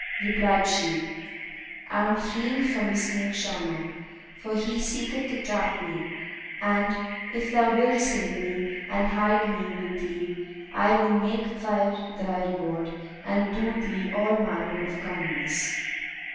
Replied she, 'I am fleeing from the snake charmer, for he seeketh to trap me and, if thou wilt save me and hide me with thee, I will make fair thy reward and do thee all manner of kindness.'